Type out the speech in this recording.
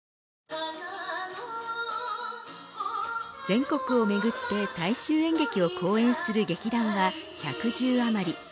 全国をめぐって大衆演劇を公演する劇団は１１０余り。